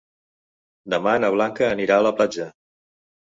Demà na Blanca anirà a la platja.